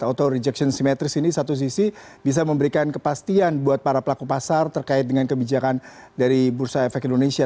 auto rejection simetris ini satu sisi bisa memberikan kepastian buat para pelaku pasar terkait dengan kebijakan dari bursa efek indonesia